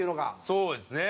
そうですね。